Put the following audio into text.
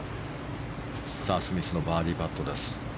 スミスのバーディーパットです。